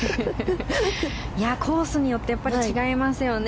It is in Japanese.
コースによって違いますよね。